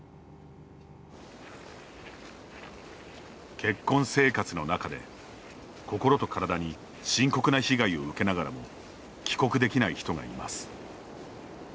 結婚生活の中で、心と体に深刻な被害を受けながらも帰国できない人がいます。